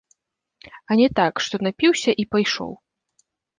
А не так, што напіўся і пайшоў.